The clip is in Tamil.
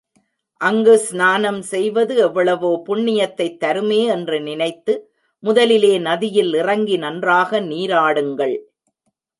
அங்கு ஸ்நானம் செய்வது எவ்வளவோ புண்ணியத்தைத் தருமே என்று நினைத்து முதலிலே நதியில் இறங்கி நன்றாக நீராடுங்கள்.